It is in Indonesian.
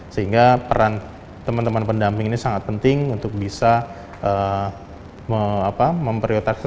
jadi peran teman teman pendamping ini sangat penting untuk bisa memprioritaskan